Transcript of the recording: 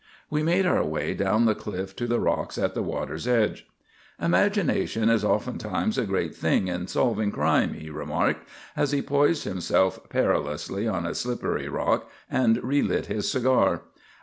We made our way down the cliff to the rocks at the water's edge. "Imagination is oftentimes a great thing in solving crime," he remarked, as he poised himself perilously on a slippery rock and relit his cigar.